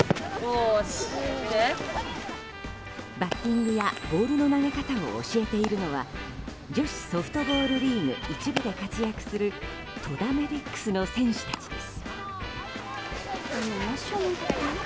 バッティングやボールの投げ方を教えているのは女子ソフトボールリーグ１部で活躍する戸田メディックスの選手たちです。